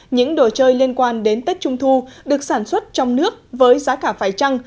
những đồ chơi liên quan đến tết trung thu được sản xuất trong nước với giá cả phải trăng